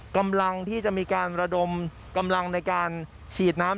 กำลังที่จะมีการระดมกำลังในการฉีดน้ำ